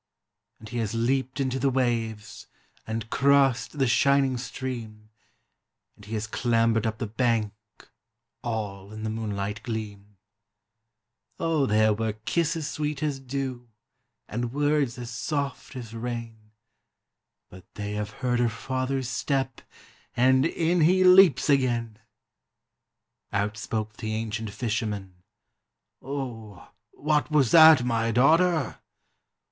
And he has leaped into the waves, and crossed the shining stream, And he has clambered up the bank, all in the moonlight gleam; Oh there were kisses sweet as dew, and words as soft as rain, But they have heard her father's step, and in he leaps again! Out spoke the ancient fisherman, "Oh, what was that, my daughter?"